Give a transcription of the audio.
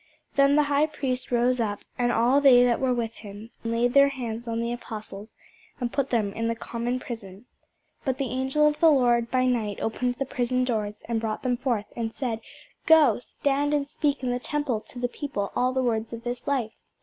Then the high priest rose up, and all they that were with him, and laid their hands on the apostles, and put them in the common prison. But the angel of the Lord by night opened the prison doors, and brought them forth, and said, Go, stand and speak in the temple to the people all the words of this life.